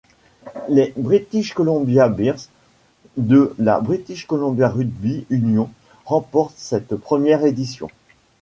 Les British Columbia Bears de la British Columbia Rugby Union remportent cette première édition.